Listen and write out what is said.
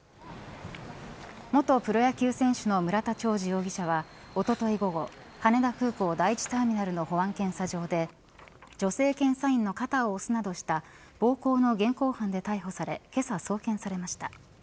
元プロ野球選手の村田兆治容疑者は、おととい午後羽田空港第１ターミナルの保安検査場で女性検査員の肩を押すなどした暴行の現行犯で逮捕されけさ、送検されました。